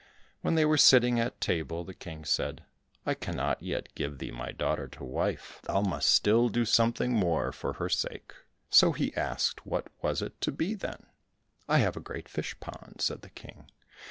When they were sitting at table, the King said, "I cannot yet give thee my daughter to wife, thou must still do something more for her sake." So he asked what it was to be, then? "I have a great fish pond," said the King.